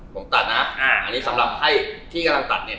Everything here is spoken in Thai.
ผมตัดนะอ่าอันนี้สำหรับไพ่ที่กำลังตัดเนี่ย